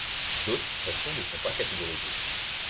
D'autres stations ne sont pas catégorisées.